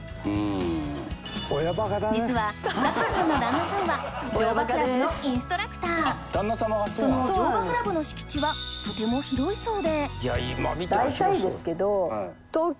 実は佐藤さんの旦那さんは乗馬クラブのインストラクターその乗馬クラブの敷地はとても広いそうでいや今見ても広そうや。